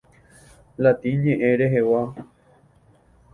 Latín ñe'ẽ rehegua.